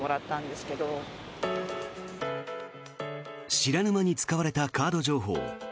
知らぬ間に使われたカード情報。